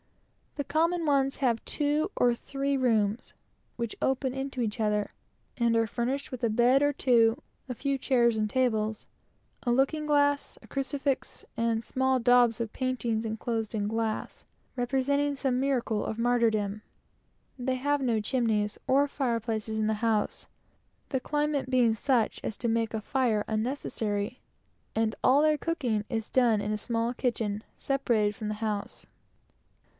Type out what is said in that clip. The common ones have two or three rooms which open into each other, and are furnished with a bed or two, a few chairs and tables, a looking glass, a crucifix of some material or other, and small daubs of paintings enclosed in glass, and representing some miracle or martyrdom. They have no chimneys or fire places in the houses, the climate being such as to make a fire unnecessary; and all their cooking is done in a small cook house, separated from the house.